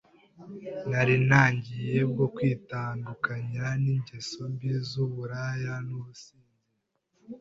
nari ntangiye bwo kwitandukanya n’ingeso mbi z’uburaya n’ubusinzi,